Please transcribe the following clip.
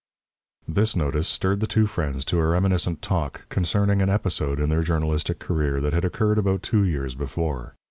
This notice stirred the two friends to a reminiscent talk concerning an episode in their journalistic career that had occurred about two years before.